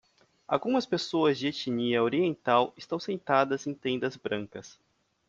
Algumas pessoas de etnia oriental estão sentadas em tendas brancas.